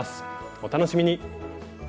お楽しみに。